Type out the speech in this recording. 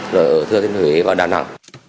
rồi ở thưa thiên thủy và đà nẵng